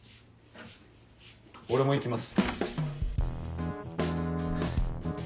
俺も行きます。